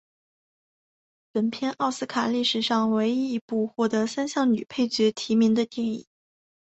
本片奥斯卡历史上唯一一部获得三项女配角提名的电影。